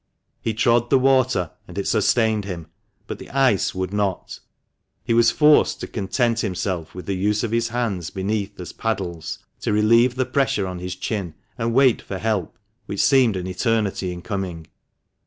He trod the water, and it sustained him, but the ice would not. He was forced to content himself with the use of his hands beneath as paddles, to relieve the pressure on his chin, and wait for help, which seemed an eternity in coming.